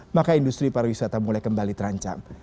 maka industri pariwisata mulai kembali terancam